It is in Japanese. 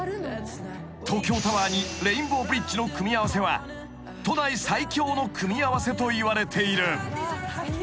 ［東京タワーにレインボーブリッジの組み合わせは都内最強の組み合わせといわれている］